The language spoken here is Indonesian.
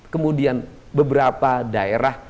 kemudian beberapa daerah